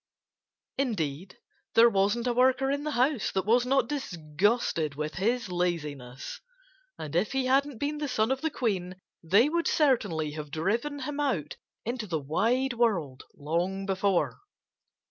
Indeed, there wasn't a worker in the house that was not disgusted with his laziness. And if he hadn't been the son of the Queen they would certainly have driven him out into the wide world long before.